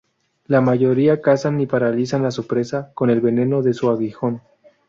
La mayoría cazan y paralizan a su presa con el veneno de su aguijón.